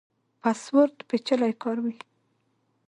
پاسورډ پیچلی کاروئ؟